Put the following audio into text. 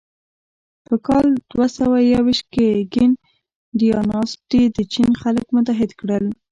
په کال دوهسوهیوویشت کې کین ډایناسټي د چین خلک متحد کړل.